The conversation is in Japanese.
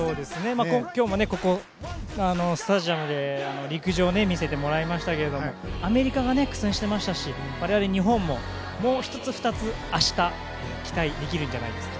今日も、ここスタジアムで陸上を見させてもらいましたけどアメリカが苦戦してましたし我々、日本ももう１つ、２つ明日期待できるんじゃないですか。